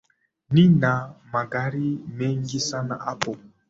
Nina magari mengi sana hapo